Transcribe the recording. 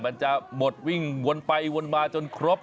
มันจะหมดวิ่งวนไปวนมาจนครบ